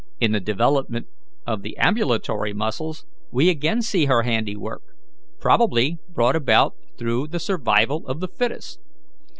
In the development of the ambulatory muscles we again see her handiwork, probably brought about through the 'survival of the fittest.'